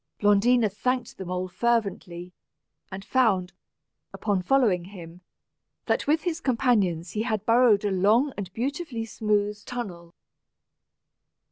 Blondina thanked the mole fervently, and found, upon following him, that with his companions he had burrowed a long and beautifully smooth tunnel.